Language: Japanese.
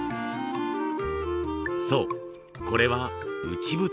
そうこれは内蓋。